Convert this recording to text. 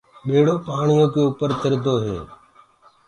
ٻيڙو پآڻيو مي تِردو هي۔